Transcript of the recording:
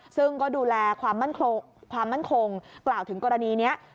ซึ่งก็ดูแลความมั่นคงกล่าวถึงกรณีนี้